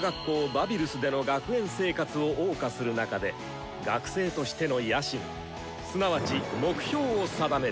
バビルスでの学園生活をおう歌する中で学生としての野心すなわち目標を定める。